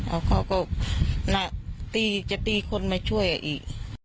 แล้วเขาก็น่ะตีจะตีคนมาช่วยอ่ะอี๋